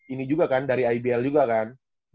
ini juga kan dari ibl juga kan